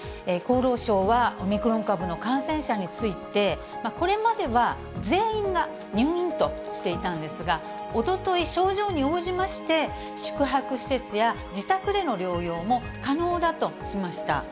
厚労省は、オミクロン株の感染者について、これまでは全員が入院としていたんですが、おととい、症状に応じまして、宿泊施設や自宅での療養も可能だとしました。